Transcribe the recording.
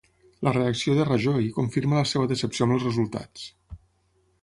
La reacció de Rajoy confirma la seva decepció amb els resultats